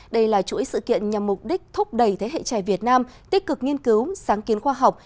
đây là chuỗi sự kiện nhằm mục đích thúc đẩy thế hệ trẻ việt nam tích cực nghiên cứu sáng kiến khoa học